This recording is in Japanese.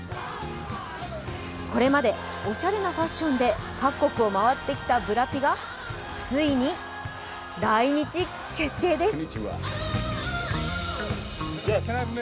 これまでオシャレなファッションで各国を回ってきたブラピがついに来日決定です。